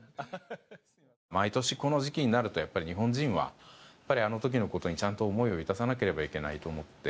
毎年、この時期になるとやっぱり日本人はやっぱりあの時のことにちゃんと思いを致さなければいけないと思って。